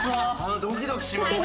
ドキドキしますね。